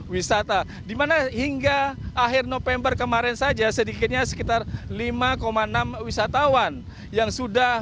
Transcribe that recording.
wisata dimana hingga akhir november kemarin saja sedikitnya sekitar lima enam wisatawan yang sudah